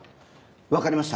わかりました。